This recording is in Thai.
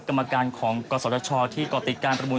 กรรมการของกศชที่ก่อติดการประมูล